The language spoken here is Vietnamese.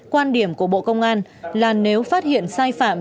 quan điểm của bộ công an là nếu phát hiện sai phạm